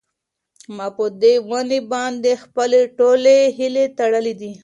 ما په دې ونې باندې خپلې ټولې هیلې تړلې وې.